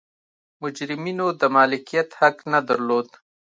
مجرمینو د مالکیت حق نه درلود.